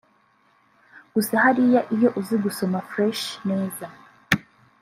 Gusa hariya iyo uzi gusoma fresh(neza)